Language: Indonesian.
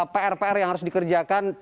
pr pr yang harus dikerjakan